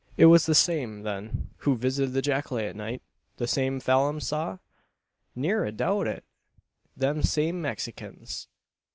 "It was the same, then, who visited the jacale at night the same Phalim saw?" "Ne'er a doubt o' it. Them same Mexikins."